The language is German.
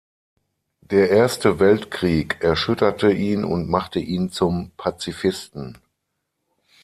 Der Erste Weltkrieg erschütterte ihn und machte ihn zum Pazifisten.